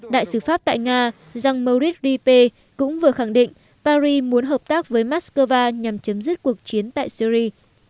đại sứ pháp tại nga jean morit ripe cũng vừa khẳng định paris muốn hợp tác với moscow nhằm chấm dứt cuộc chiến tại syri